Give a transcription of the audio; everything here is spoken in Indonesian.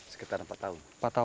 sekitar empat tahun